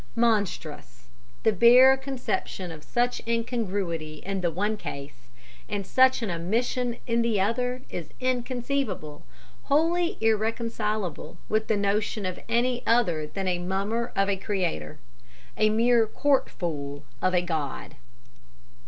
Monstrous the bare conception of such incongruity in the one case, and such an omission in the other, is inconceivable, wholly irreconcilable with the notion of any other than a mummer of a creator a mere court fool of a God."